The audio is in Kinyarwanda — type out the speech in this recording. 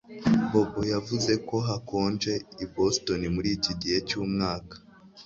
Bobo yavuze ko hakonje i Boston muri iki gihe cyumwaka